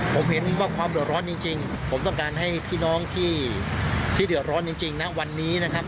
ผมเห็นว่าความเดือดร้อนจริงผมต้องการให้พี่น้องที่เดือดร้อนจริงนะวันนี้นะครับ